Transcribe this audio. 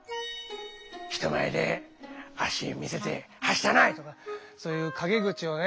「人前で脚見せてはしたない」とかそういう陰口をね